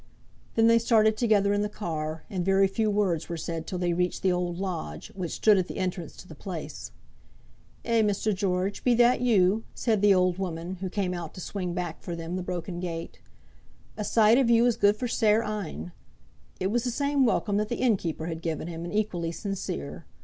Then they started together in the car, and very few words were said till they reached the old lodge, which stood at the entrance to the place. "Eh, Mr. George; be that you?" said the old woman, who came out to swing back for them the broken gate. "A sight of you is good for sair een." It was the same welcome that the inn keeper had given him, and equally sincere.